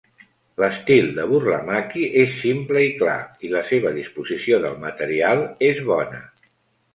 L'estil de Burlamaqui és simple i clar, i la seva disposició del material és bona.